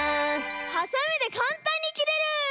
「ハサミでかんたんにきれる」！